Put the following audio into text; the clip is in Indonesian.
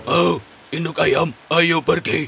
oh induk ayam ayo pergi